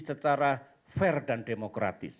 secara fair dan demokratis